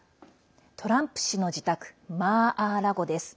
トランプ氏の自宅マー・アー・ラゴです。